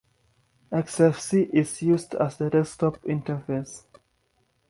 Xfce is used as the desktop interface.